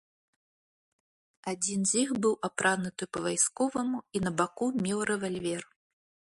Адзін з іх быў апрануты па-вайсковаму і на баку меў рэвальвер.